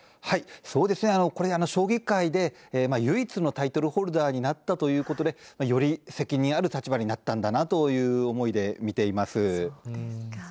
これ、将棋界で唯一のタイトルホルダーになったということで、より責任ある立場になったんだなという思いで見ています。